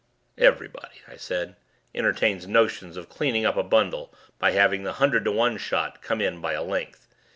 "Everybody," I said, "entertains notions of cleaning up a bundle by having the hundred to one shot come in by a length.